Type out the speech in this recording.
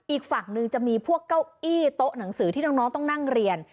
อีกฝั่งหนึ่งจะมีพวกเก้าอี้โต๊ะหนังสือที่น้องต้องนั่งเรียน